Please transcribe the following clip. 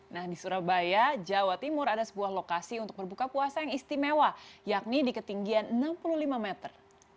nah di surabaya jawa timur ada sebuah lokasi untuk berbuka puasa yang istimewa yakni di ketinggian enam puluh lima meter